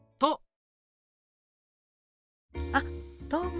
あっどうも。